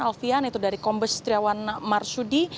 alfian itu dari kombe setiawan marsudi